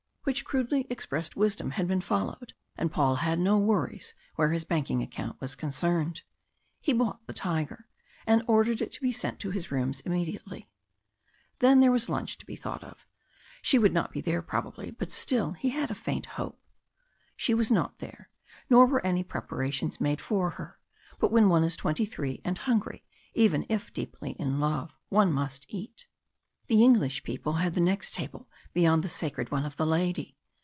Which crudely expressed wisdom had been followed, and Paul had no worries where his banking account was concerned. He bought the tiger, and ordered it to be sent to his rooms immediately. Then there was lunch to be thought of. She would not be there probably, but still he had a faint hope. She was not there, nor were any preparations made for her; but when one is twenty three and hungry, even if deeply in love, one must eat. The English people had the next table beyond the sacred one of the lady.